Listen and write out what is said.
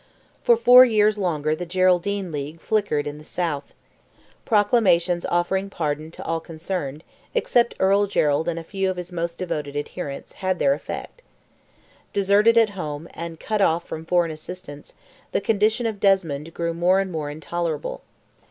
For four years longer the Geraldine League flickered in the South. Proclamations offering pardon to all concerned, except Earl Gerald and a few of his most devoted adherents, had their effect. Deserted at home, and cut off from foreign assistance, the condition of Desmond grew more and more intolerable.